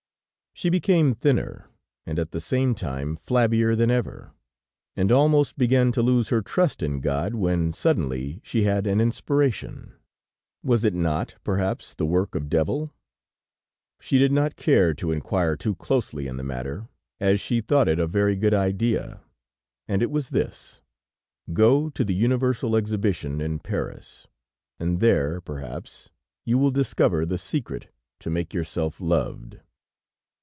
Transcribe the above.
She became thinner, and at the same time, flabbier than ever, and almost began to lose her trust in God, when, suddenly, she had an inspiration. Was it not, perhaps, the work of devil? She did not care to inquire too closely into the matter, as she thought it a very good idea, and it was this: "Go to the Universal Exhibition in Paris, and there, perhaps, you will discover the secret to make yourself loved."